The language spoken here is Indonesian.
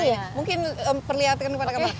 nah mungkin perlihatkan kepada kamar